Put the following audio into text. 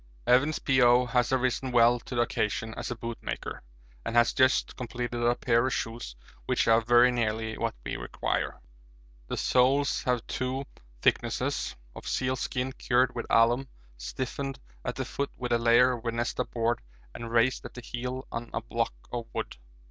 Evans, P.O., has arisen well to the occasion as a boot maker, and has just completed a pair of shoes which are very nearly what we require. The soles have two thicknesses of seal skin cured with alum, stiffened at the foot with a layer of venesta board, and raised at the heel on a block of wood.